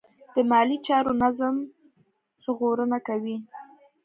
د مالي چارو نظم ژغورنه کوي.